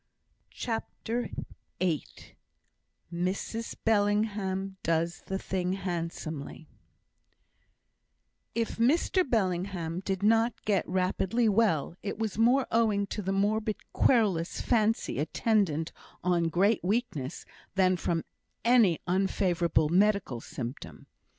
CHAPTER VIII Mrs Bellingham "Does the Thing Handsomely" If Mr Bellingham did not get rapidly well, it was more owing to the morbid querulous fancy attendant on great weakness than from any unfavourable medical symptom.